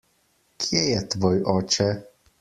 Kje je tvoj oče?